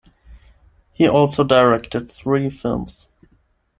He also directed three films.